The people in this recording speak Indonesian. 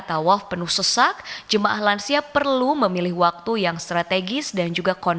tawaf ifadah merupakan salah satu hal yang harus dilakukan